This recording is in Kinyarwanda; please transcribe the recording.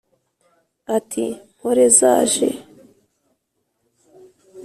Ati: mpore zaje